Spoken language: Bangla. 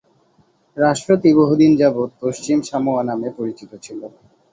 রাষ্ট্রটি বহুদিন যাবৎ পশ্চিম সামোয়া নামে পরিচিত ছিল।